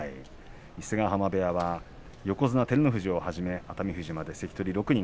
伊勢ヶ濱部屋は横綱照ノ富士をはじめ熱海富士まで関取６人。